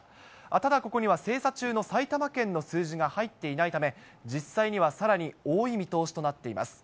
ただここには精査中の埼玉県の数字が入っていないため、実際にはさらに多い見通しとなっています。